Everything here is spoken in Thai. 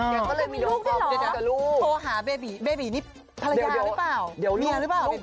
แค่ก็เลยมีโดนความเจ็บเจ้าลูกโทรหาเบบีเบบีนี่ภรรยาหรือเปล่าเมียหรือเปล่า